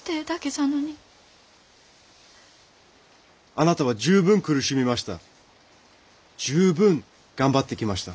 あなたは十分苦しみました。